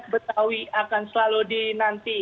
betawi akan selalu dinanti